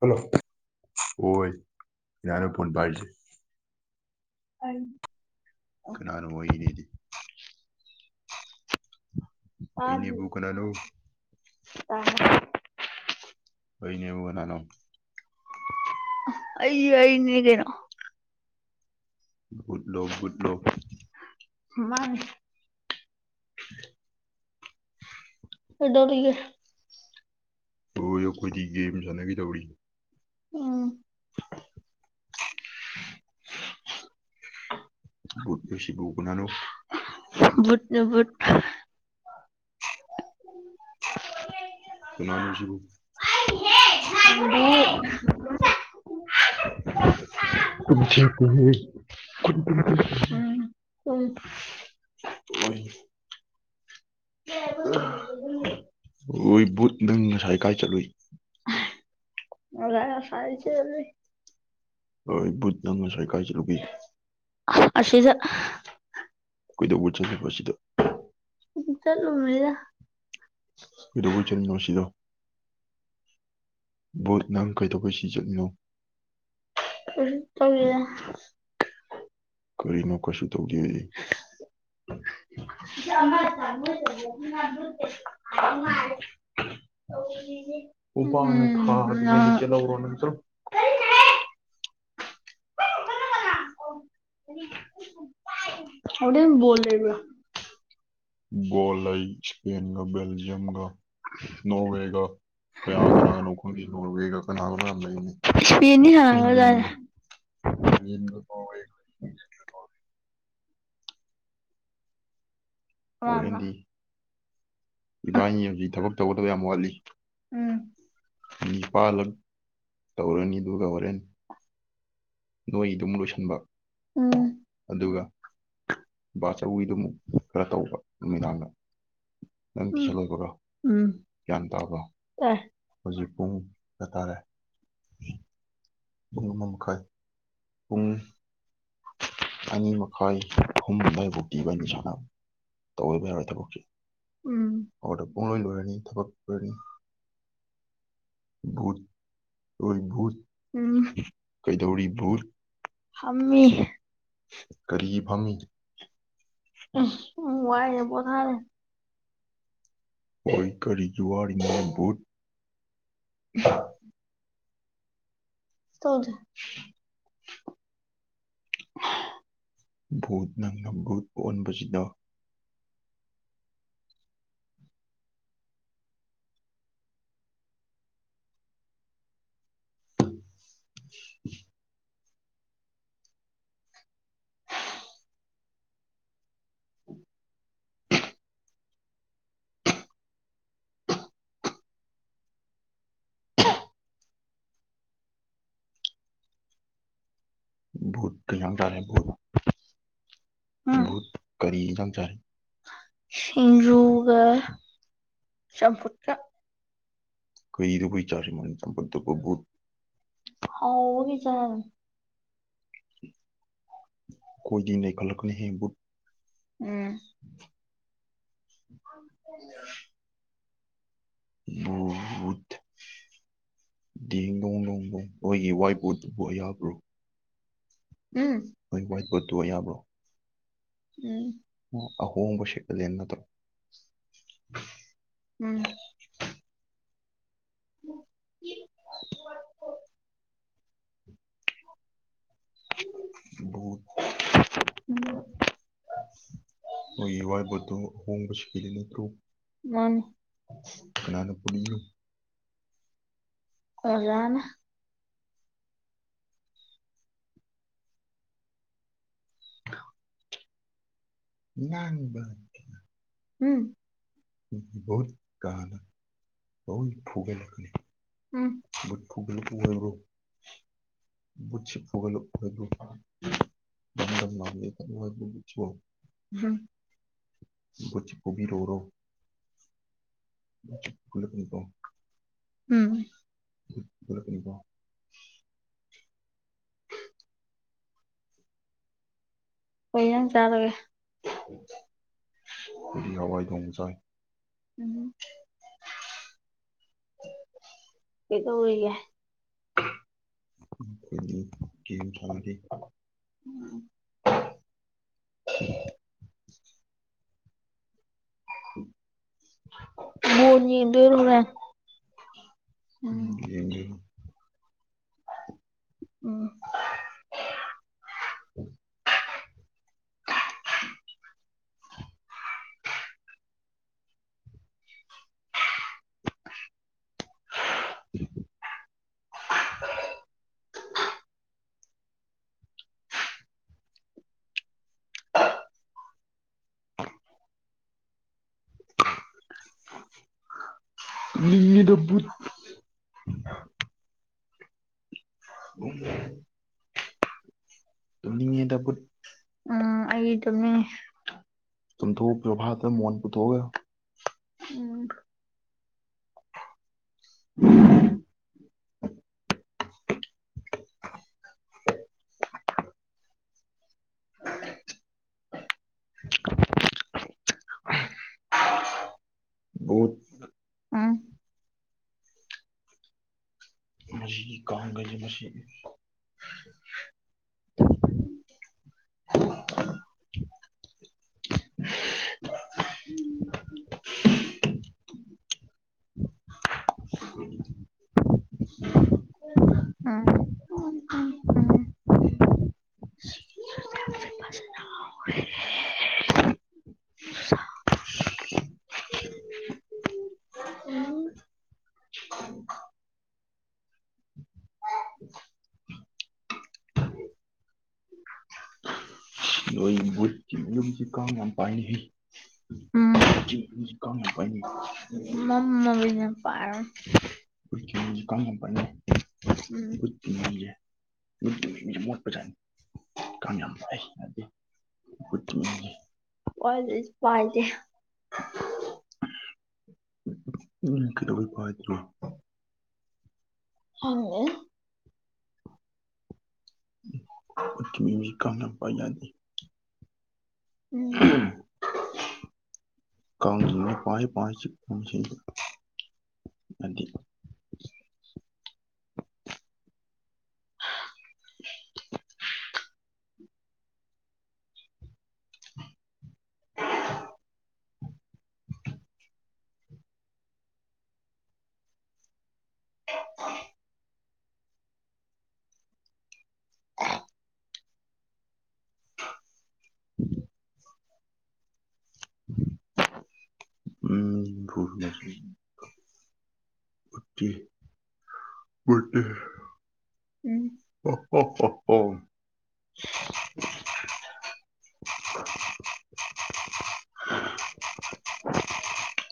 hello ꯍꯣꯏ ꯀꯅꯥꯅꯣ phone ꯄꯥꯏꯔꯤꯁꯦ ꯑꯩ ꯀꯅꯥꯅꯣ ꯑꯩꯅꯦꯗꯤ ꯇꯥꯗꯤ [unintelligible] ꯑꯩꯅꯦꯕꯨ ꯀꯅꯥꯅꯣ ꯑꯥ ꯑꯩꯗꯤ ꯑꯩꯅꯤ ꯀꯩꯅꯣ ꯕꯨꯠꯂꯣ ꯕꯨꯠꯂꯣ ꯃꯥꯅꯦ [unintelligible] ꯀꯩꯗꯧꯔꯤꯒꯦ ꯍꯣꯏ ꯑꯈꯣꯏꯗꯤ ꯒꯦꯝ ꯁꯥꯅꯒꯦ ꯇꯧꯔꯤ ꯎꯝ ꯕꯨꯠ ꯂꯣ ꯁꯤꯕꯨ ꯀꯅꯥꯅꯣ ꯨꯕꯨꯠꯅꯦ ꯕꯨꯠ ꯀꯅꯥꯅꯣ ꯁꯤꯕꯨ [unintelligible] [unintelligible] [unintelligible] ꯎꯝ [unintelligible] ꯑꯣꯏ [unintelligible] ꯑꯣꯏ ꯕꯨꯠ ꯅꯪ ꯉꯁꯥꯏ ꯀꯥꯏ ꯆꯠꯂꯨꯏ ꯑꯩ ꯑꯁꯥꯏ ꯆꯠꯂꯨꯏ ꯑꯣꯏ ꯕꯨꯠ ꯅꯪ ꯉꯁꯥꯏ ꯀꯥꯏ ꯆꯠꯂꯨꯒꯦ ꯑꯁꯤꯗ ꯀꯩꯗꯧꯕ ꯆꯠꯂꯨꯏꯕ ꯑꯁꯤꯗ ꯆꯠꯂꯨꯕꯅꯤꯗ ꯀꯩꯗꯧꯕꯩ ꯆꯠꯂꯤꯅꯣ ꯑꯁꯤꯗ ꯕꯨꯠ ꯅꯪ ꯀꯩꯗꯧꯕꯩ ꯁꯤ ꯆꯠꯂꯤꯅꯣ ꯀꯔꯤꯅꯣ ꯀꯩꯁꯨ ꯇꯧꯗꯦꯗꯤ [unintelligible] ꯇꯧꯔꯤꯖꯦ ꯈꯨꯄꯥꯛꯅ ꯊꯥꯗ꯭ꯔꯤꯉꯩꯗ ꯆꯦꯜꯍꯧꯔꯣ ꯅꯪ ꯆꯠꯂꯣ [unintelligible] ꯕꯣꯜ ꯂꯩ ꯁ꯭ꯄꯦꯟꯒ ꯕꯦꯜꯖꯤꯌꯝꯒ ꯅꯣꯔꯋꯦꯒ ꯀꯌꯥ ꯀꯅꯥꯒꯅꯣ ꯈꯪꯗꯦ ꯅꯣꯔꯋꯦ ꯒ ꯀꯅꯥꯒꯅꯣ ꯌꯥꯝ ꯂꯩꯕꯅꯦ ꯏꯪꯂꯦꯟꯒ ꯏꯪꯂꯦꯟꯒ ꯅꯣꯔꯋꯦꯒ [unintelligible] ꯏꯕꯥꯅꯤ ꯍꯧꯖꯤꯛ ꯊꯕꯛ ꯇꯧꯒꯗꯕ ꯌꯥꯝ ꯋꯥꯠꯂꯤ ꯅꯤꯄꯥꯜ ꯂꯛ ꯇꯧꯔꯅꯤ ꯗꯨꯒ ꯍꯣꯔꯦꯟ ꯅꯣꯏꯗꯨ ꯑꯃꯨꯛ ꯂꯣꯏꯁꯤꯟꯕ ꯑꯗꯨꯒ ꯕꯆꯧꯒꯤꯗꯨꯃꯨꯛ ꯈꯔ ꯇꯧꯕ ꯅꯨꯃꯤꯗꯥꯡꯗ ꯅꯪ ꯇꯨꯏꯁꯟ ꯂꯣꯏꯕꯒ ꯒ꯭ꯌꯥꯟ ꯇꯥꯕ꯭ꯔꯣ ꯍꯧꯖꯤꯛ ꯄꯨꯡ ꯀꯌꯥ ꯇꯔꯦ ꯄꯨꯡ ꯑꯃ ꯃꯈꯥꯏ ꯄꯨꯡ ꯑꯅꯤ ꯃꯈꯥꯏ ꯑꯍꯨꯝ ꯑꯗꯨꯋꯥꯏꯐꯥꯎꯗꯤ ꯏꯕꯥꯟꯅꯤ ꯁꯥꯟꯅꯕ ꯇꯧꯗꯕ ꯌꯥꯔꯣꯏ ꯊꯕꯛꯁꯦ ꯐꯣꯔꯗ ꯄꯨꯡꯂꯣꯏ ꯂꯣꯏꯔꯅꯤ ꯊꯕꯛ ꯂꯔꯅꯤ ꯕꯨꯠ ꯑꯣꯏ ꯕꯨꯠ ꯀꯩꯗꯧꯔꯤ ꯕꯨꯠ ꯐꯝꯃꯤ ꯀꯔꯤꯒꯤ ꯐꯝꯃꯤ ꯎꯝ ꯌꯥꯝ ꯋꯥꯏꯌꯦꯅ ꯄꯣꯊꯔꯤ ꯑꯣꯏ ꯀꯔꯤꯒꯤ ꯋꯥꯔꯤꯅꯣ ꯕꯨꯠ ꯎ [inaudible] ꯇꯧꯗꯦ ꯕꯨꯠ ꯅꯪꯅ ꯕꯨꯠ ꯑꯣꯟꯕꯁꯤꯅ ꯕꯨꯠ [inaudible] [inaudible] ꯨꯕꯨꯠ ꯀꯩ ꯍꯦꯟꯁꯥꯡ ꯆꯥꯔꯦ ꯕꯨꯠ ꯕꯨꯠ ꯀꯔꯤ ꯏꯟꯁꯥꯡ ꯆꯥꯏ ꯁꯤꯡꯖꯨꯒ ꯆꯝꯐꯨꯠꯀ ꯀꯩꯗꯧꯕꯩ ꯆꯥꯔꯤꯅꯣ ꯆꯝꯐꯨꯠꯇꯨꯕꯨ ꯕꯨꯠ ꯍꯥꯎꯕꯒꯤ ꯆꯥꯔꯤꯅꯤ ꯑꯩꯈꯣꯏꯗꯤ ꯅꯩꯈꯜꯂꯛꯀꯅꯤꯍꯦ ꯕꯨꯠ ꯎꯝ ꯑꯣ ꯕꯨꯠ ꯗꯤꯡꯗꯣꯡ ꯗꯣꯡꯕꯨ ꯅꯣꯏꯒꯤ ꯋꯥꯏꯠ ꯕꯨꯠ ꯑꯣꯏ ꯌꯕ꯭ꯔꯣ ꯍꯣꯏ ꯋꯥꯏꯠ ꯕꯣꯠꯇꯨ ꯑꯣꯏ ꯌꯕ꯭ꯔꯣ ꯎꯝ ꯑꯣ ꯑꯍꯣꯡꯕ ꯁꯦꯀꯦꯟꯍꯦꯟ ꯅꯠꯇ꯭ꯔꯣ ꯎꯝ [inaudible] ꯕꯨꯠ ꯅꯣꯏꯒꯤ ꯋꯥꯏꯠꯕꯣꯠꯇꯣ ꯑꯍꯣꯡꯕ ꯁꯦꯀꯦꯟꯍꯦꯟ ꯅꯠꯇ꯭ꯔꯣ ꯃꯥꯅꯤ ꯀꯅꯥꯅ ꯄꯨꯔꯛꯏꯅꯣ ꯑꯣꯖꯥꯅ ꯑ [inaudible] ꯉꯥꯡꯕ ꯎꯝ ꯕꯨꯠ ꯀꯥꯏꯅ ꯂꯣꯏꯅ ꯐꯨꯒꯠꯂꯛꯀꯅꯤ ꯕꯨꯠ ꯈꯣꯡꯒꯠꯂꯒ ꯐꯨ ꯍꯥꯏꯕ꯭ꯔꯣ ꯕꯨꯠꯁꯤ ꯐꯨꯒꯠꯂꯛ ꯗꯝꯗꯝ ꯂꯤꯎꯅ ꯍꯥ ꯕꯨꯠꯁꯦ ꯐꯨꯕꯤꯔꯣꯔꯣ ꯐꯨꯔꯛꯅꯤꯀꯣ ꯎꯝ ꯐꯨꯔꯛꯅꯤꯀꯣ ꯀꯩ ꯖꯥꯡ ꯆꯥꯔꯒꯦ ꯀꯣꯂꯤ ꯍꯋꯥꯏ ꯊꯣꯡꯕ ꯆꯥꯏ ꯎꯝ [unintelligible] ꯎꯝ [unintelligible] [unintelligible] [unintelligible] ꯅꯪ ꯌꯦꯡꯒꯦ ꯎꯝ [unintelligible] ꯇꯨꯝꯅꯤꯉꯦꯗ ꯕꯨꯠ [unintelligible] ꯑꯥ ꯑꯩ ꯇꯨꯝꯅꯤꯡꯉꯦ ꯇꯨꯨꯝꯊꯣꯛꯑꯣ ꯁꯣꯐꯥꯗ ꯃꯣꯟ ꯄꯨꯊꯣꯛꯑꯒ ꯎꯝ [unintelligible] [unintelligible] [unintelligible] [unintelligible] [unintelligible] ꯕꯨꯠ ꯃꯁꯤꯒꯤ ꯀꯥꯡꯒꯩꯁꯤ ꯃꯁꯤ [unintelligible] [unintelligible] ꯎꯝ ꯎꯝ [unintelligible] ꯀꯥꯡ ꯌꯥꯝ ꯄꯥꯏꯅꯦꯍꯦ [unintelligible] ꯀꯥꯡ ꯌꯥꯝ ꯄꯥꯏꯅꯦꯍꯦ ꯈꯣꯏ ꯏꯃꯨꯡꯖꯦ ꯀꯥꯡ ꯌꯥꯝ ꯄꯥꯏꯅꯦ ꯈꯣꯏ ꯏꯃꯨꯡꯖꯦ ꯃꯣꯏ ꯏꯃꯨꯡꯖꯦ ꯃꯣꯠꯄꯖꯥꯠꯅꯤ ꯀꯥꯡ ꯌꯥꯝ ꯄꯥꯏ ꯌꯥꯗꯦ ꯃꯣꯏ ꯏꯃꯨꯡꯖꯦ ꯑꯣꯜ ꯏꯁ ꯄꯥꯏꯗꯦ ꯎꯝ [unintelligible] ꯀꯩꯗꯧꯕꯩ ꯄꯥꯏꯗꯣꯏꯅꯣ [unintelligible] [unintelligible] ꯀꯥꯡ ꯌꯥꯝ ꯄꯥꯏ ꯌꯗꯦ [unintelligible] ꯀꯥꯡ ꯅ ꯂꯣꯏ ꯄꯥꯏ ꯄꯥꯏ ꯆꯤꯛꯄ ꯄꯨꯟꯁꯤꯁꯦ ꯌꯥꯗꯦ [unintelligible] [unintelligible] [unintelligible] [unintelligible] ꯎꯝ ꯕꯨꯠ [unintelligible] ꯕꯨꯠꯇꯤ ꯕꯨꯠꯇꯤ ꯍꯥ ꯍꯥ ꯍꯥ ꯍꯥ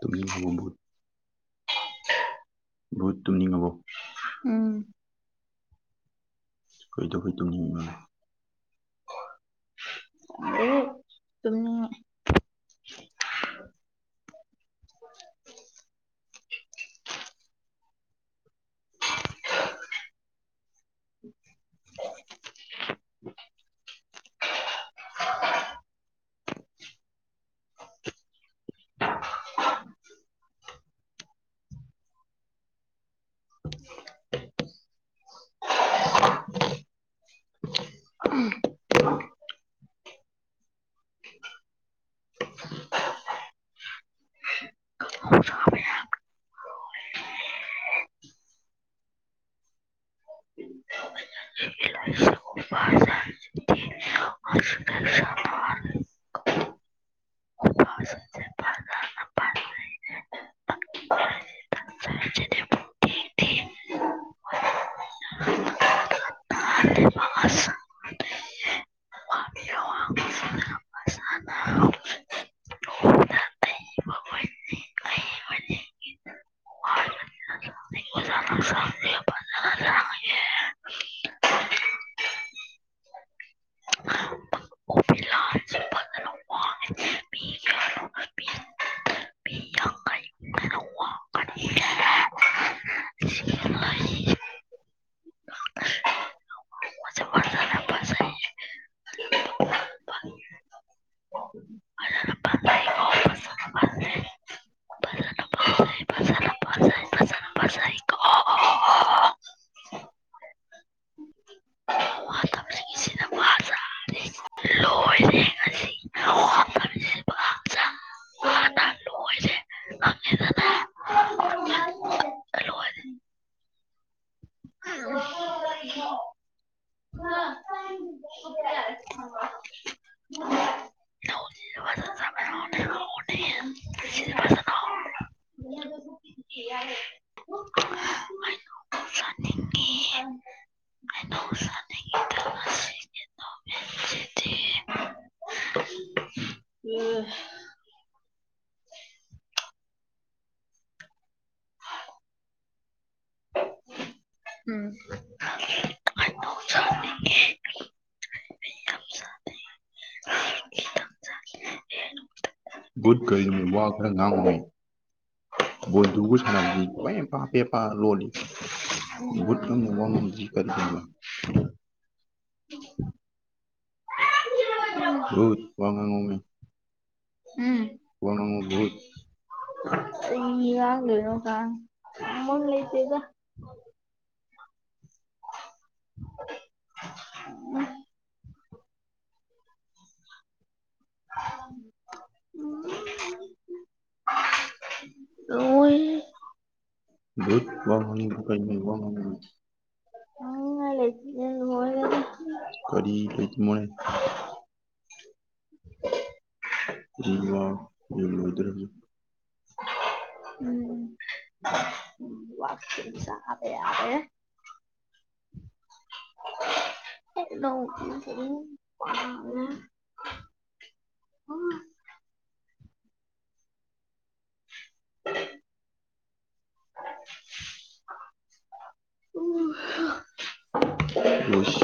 ꯇꯨꯝꯅꯤꯡ [unintelligible] ꯕꯨꯠ ꯕꯨꯠ ꯇꯨꯝꯅꯤꯡꯉꯕꯣ ꯀꯩꯗꯧꯕꯩ ꯇꯨꯝꯅꯤꯡꯉꯤꯅꯣ [unintelligible] ꯇꯨꯝꯅꯤꯉꯦ [unintelligible] [unintelligible] [unintelligible] [unintelligible] [unintelligible] [unintelligible] [inaudible] [unintelligible] [inaudible] [inaudible] [unintelligible] [inaudible] [inaudible] [inaudible] [inaudible] [inaudible] [inaudible] [inaudible] ꯐꯖꯩꯀꯣ ꯄꯣꯔꯛꯀꯥꯅꯣ ꯀꯥꯔꯤ [unintelligible] [unintelligible] ꯊꯨꯞꯄꯦ ꯌꯥꯔꯦ ꯊꯝꯒ꯭ꯔꯣꯆꯣ [inaudible] [unintelligible] [unintelligible] [unintelligible] ꯆꯥꯅꯤꯡꯉꯦ ꯍꯩꯅꯧ ꯆꯥꯅꯤꯡꯉꯦꯗꯥ ꯉꯁꯤꯗꯤ [unintelligible] [inaudible] ꯉꯥ ꯎꯝ [inaudible] ꯍꯩꯅꯧ ꯆꯥꯅꯤꯡꯉꯦ ꯍꯩ ꯌꯥꯝ ꯆꯥ [inaudible] [inaudible] ꯒꯨꯠ ꯀꯩꯅꯣ ꯋꯥ ꯈꯔ ꯉꯥꯡꯉꯣꯃꯤ ꯕꯣꯟꯗꯨꯒꯥ ꯁꯥꯟꯅꯕꯗꯤ ꯂꯣꯏꯟ ꯄꯥ ꯄꯦ ꯄꯥ ꯂꯣꯜꯂꯤ ꯕꯨꯠ ꯅꯪꯕꯨ ꯋꯥ ꯉꯥꯡꯗ꯭ꯔꯤ [unintelligible] [unintelligible] ꯔꯨꯠ ꯋꯥ ꯉꯥꯡꯉꯣꯃꯤ ꯋꯥ ꯉꯥꯡꯉꯣ ꯕꯨꯠ [unintelligible] [unintelligible] ꯀꯥꯡ [inaudible] [unintelligible] ꯕꯨꯠ ꯋꯥ ꯉꯥꯡꯅꯤꯡꯗ꯭ꯔꯣ ꯀꯩꯅꯣꯅꯦ ꯋꯥ ꯉꯥꯡꯉꯣꯃꯤ ꯉꯥꯡꯅꯤꯡꯉꯥꯏ ꯂꯩꯇꯤꯌꯦ [unintelligible] ꯀꯔꯤ [unintelligible] [unintelligible] [inaudible] [inaudible] [inaudible] ꯎꯁ